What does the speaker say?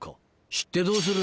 知ってどうする？